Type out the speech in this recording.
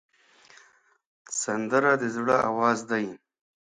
سندره د زړه آواز دی